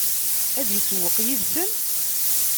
Ad isewweq yid-sen?